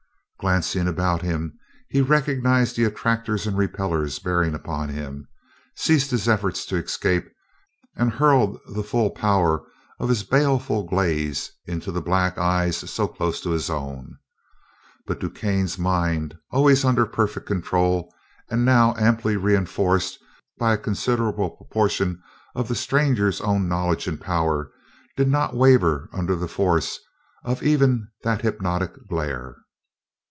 Glancing about him he recognized the attractors and repellers bearing upon him, ceased his efforts to escape, and hurled the full power of his baleful gaze into the black eyes so close to his own. But DuQuesne's mind, always under perfect control and now amply reenforced by a considerable proportion of the stranger's own knowledge and power, did not waver under the force of even that hypnotic glare.